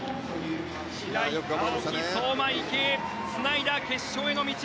白井、青木、相馬、池江つないだ決勝への道。